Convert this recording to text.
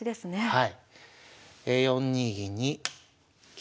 はい。